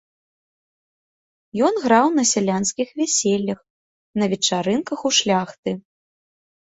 Ён граў на сялянскіх вяселлях, на вечарынках у шляхты.